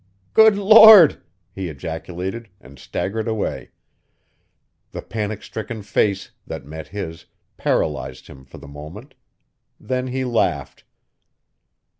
"Good Lord!" he ejaculated, and staggered away. The panic stricken face, that met his, paralyzed him for the moment; then he laughed.